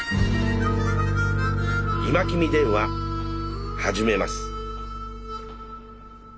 「今君電話」始めます。